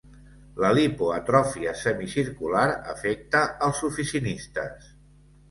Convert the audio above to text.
La lipoatròfia semicircular afecta als oficinistes.